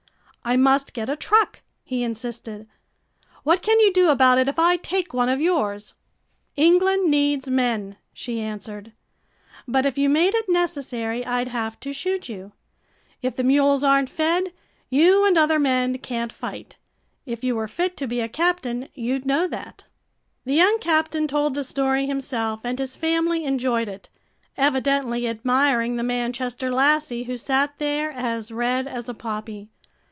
"I must get a truck," he insisted. "What can you do about it if I take one of yours?" "England needs men," she answered. "But if you made it necessary I'd have to shoot you. If the mules are n't fed, you and other men can't fight. If you were fit to be a captain, you'd know that." The young captain told the story himself and his family enjoyed it, evidently admiring the Manchester lassie, who sat there as red as a poppy.